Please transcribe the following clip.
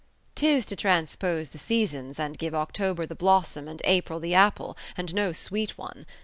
"'Tis to transpose the seasons, and give October the blossom and April the apple, and no sweet one!